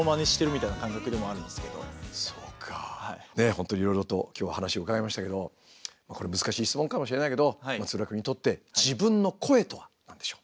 本当にいろいろと今日は話を伺いましたけどもこれ難しい質問かもしれないけど松浦君にとって自分の声とは何でしょう？